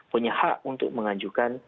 punya hak untuk mengajukan